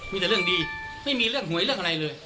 มีแต่เรื่องดีไม่มีเรื่องหวยเรื่องอะไรเลย